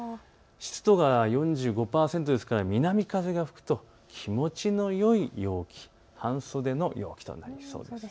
湿度が４５％ですから南風が吹くと気持ちのよい陽気、半袖の陽気となりそうです。